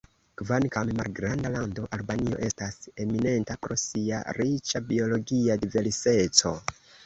Kvankam malgranda lando, Albanio estas eminenta pro sia riĉa biologia diverseco.